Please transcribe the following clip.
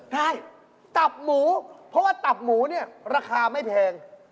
ได้ตับหมูเพราะว่าตับหมูเนี่ยราคาไม่แพง